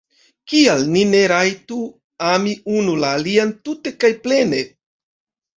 Kial ni ne rajtu ami unu la alian tute kaj plene?